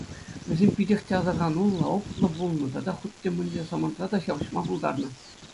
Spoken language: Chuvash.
Вӗсем питех те асӑрхануллӑ, опытлӑ пулнӑ тата хуть те хӑш самантра та ҫапӑҫма пултарнӑ.